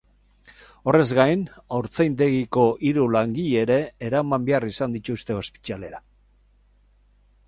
Horrez gain, haurtzaindegiko hiru langile ere eraman behar izan dituzte ospitalera.